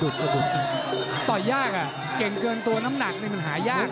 ถ่อยยากอ่ะเก่งเกินตัวน้ำหนักเลยหยาก